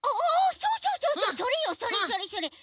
そうそうそうそうそれよそれそれそれ。